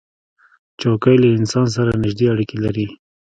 چوکۍ له انسان سره نزدې اړیکه لري.